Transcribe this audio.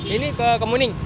ini ke muning